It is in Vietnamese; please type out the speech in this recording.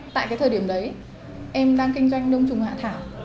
tại cái thời điểm đấy em đang kinh doanh đông trùng hạ thảo